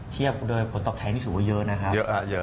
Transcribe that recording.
เทียบโดยผลตอบแท้นี่ถือว่าเยอะนะครับเยอะอ่ะเยอะ